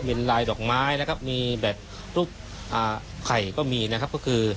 มีรายดอกไม้มีแบบรูปไข่ก็มีนะครับ